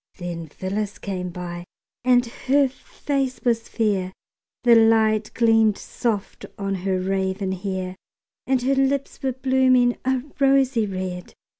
Then Phyllis came by, and her face was fair, The light gleamed soft on her raven hair; And her lips were blooming a rosy red.